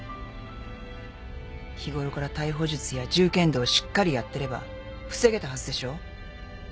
日ごろから逮捕術や銃剣道をしっかりやってれば防げたはずでしょ？